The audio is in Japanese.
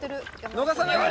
逃さないで！